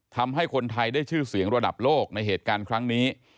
ทำให้คนไทยได้ชื่อเสียงระดับโลกในเหตุการณ์ครั้งนี้